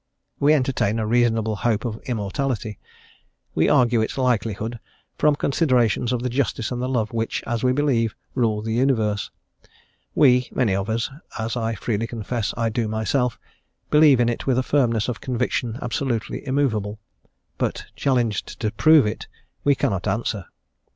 We entertain a reasonable hope of immortality; we argue its likelihood from considerations of the justice and the love which, as we believe, rule the universe; we, many of us as I freely confess I do myself believe in it with a firmness of conviction absolutely immovable; but challenged to prove it, we cannot answer.